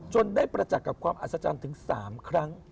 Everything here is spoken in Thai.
ได้ประจักษ์กับความอัศจรรย์ถึง๓ครั้ง